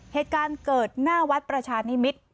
เหตุการณ์เกิดหน้าวัดประชานิมิตร